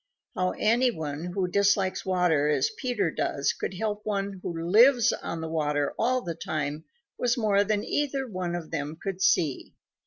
How any one who dislikes water as Peter does could help one who lives on the water all the time was more than either one of them could see.